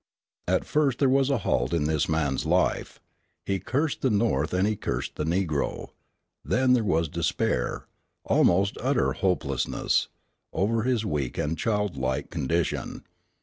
At first there was a halt in this man's life. He cursed the North and he cursed the Negro. Then there was despair, almost utter hopelessness, over his weak and childlike condition.